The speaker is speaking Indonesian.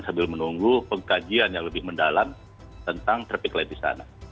sambil menunggu pengkajian yang lebih mendalam tentang traffic light di sana